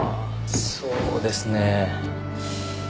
そうですね